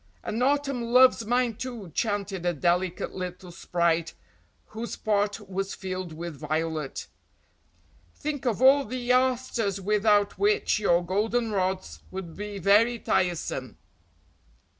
"And autumn loves mine too," chanted a delicate little sprite whose pot was filled with violet. "Think of all the asters without which your goldenrods would be very tiresome."